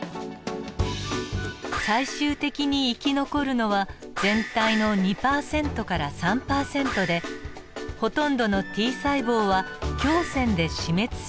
最終的に生き残るのは全体の２％から３％でほとんどのＴ細胞は胸腺で死滅する事になります。